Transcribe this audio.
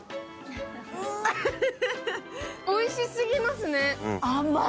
おいしすぎますね、甘い。